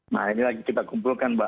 nah ini lagi kita kumpulkan mbak